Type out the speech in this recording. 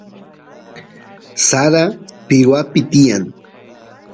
sara pirwapi tiyan